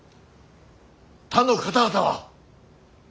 他の方々は。